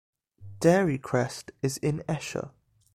Dairy Crest is in Esher.